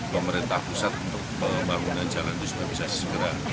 pemerintah pusat untuk pembangunan jalan itu juga bisa segera